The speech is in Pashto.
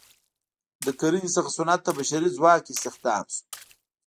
له کرنې څخه صنعت ته بشري ځواک استخدام شو.